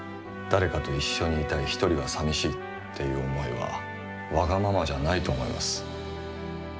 誰かと一緒にいたいひとりはさみしいっていう思いはわがままじゃないと思います。